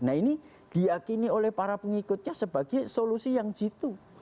nah ini diakini oleh para pengikutnya sebagai solusi yang jitu